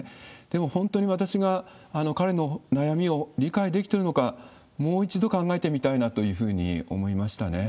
でも、本当に私が彼の悩みを理解できてるのか、もう一度考えてみたいなというふうに思いましたね。